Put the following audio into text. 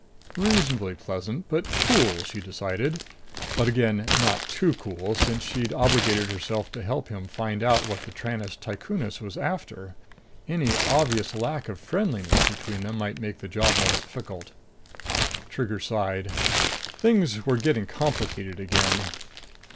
Reasonably pleasant but cool, she decided. But again, not too cool, since she'd obligated herself to help him find out what the Tranest tycooness was after. Any obvious lack of friendliness between them might make the job more difficult. Trigger sighed. Things were getting complicated again.